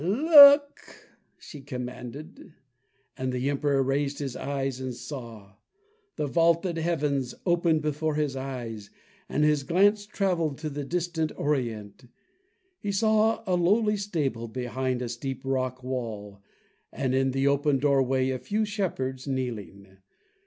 "Look!" she commanded, and the Emperor raised his eyes and saw. The vaulted heavens opened before his eyes, and his glance traveled to the distant Orient. He saw a lowly stable behind a steep rock wall, and in the open doorway a few shepherds kneeling.